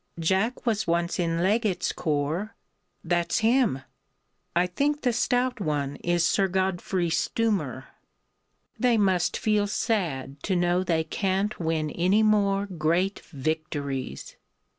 Jack was once in Leggit's Corps; That's him!... I think the stout one is Sir Godfrey Stoomer. They must feel sad to know they can't win any more Great victories!...